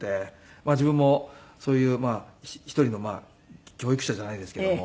まあ自分もそういう一人の教育者じゃないですけども。